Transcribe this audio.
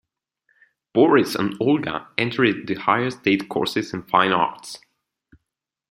Boris and Olga entered the Higher State Courses in Fine Arts.